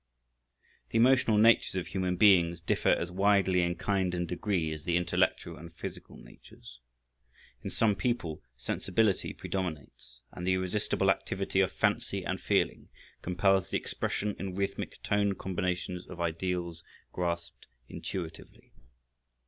The emotional natures of human beings differ as widely in kind and degree as the intellectual and physical natures. In some people sensibility predominates, and the irresistible activity of fancy and feeling compels the expression in rhythmic tone combinations of ideals grasped intuitively.